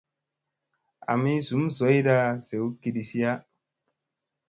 Ami zum zoyda zew kidisiya.